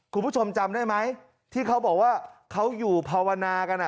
คุณผู้ชมจำได้ไหมที่เขาบอกว่าเขาอยู่ภาวนากัน